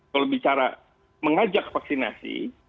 kalau bicara mengajak vaksinasi